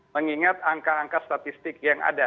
mengingat angka angka statistik yang ada